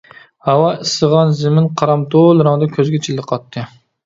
ھاۋا ئىسسىغان، زېمىن قارامتۇل رەڭدە كۆزگە چېلىقاتتى.